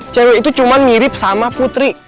cewek itu cuma mirip sama putri